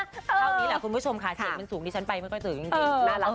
เท่านี้แหละคุณผู้ชมค่ะเสียงมันสูงที่ฉันไปมันก็ถึงจริง